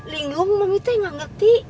linggung mami tuh gak ngerti